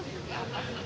udah cukup memuaskan